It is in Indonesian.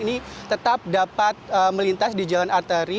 ini tetap dapat melintas di jalan arteri